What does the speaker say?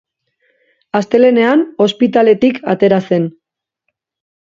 Astelehenean ospitaletik atera zen.